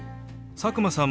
佐久間さん